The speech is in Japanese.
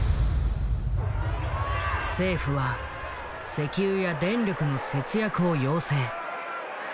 政府は石油や電力の節約を要請。